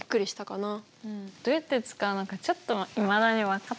どうやって使うのかちょっといまだに分かってない。